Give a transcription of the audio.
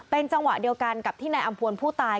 เป็นจังหวะเดียวกันกับที่นายอำพวนผู้ตาย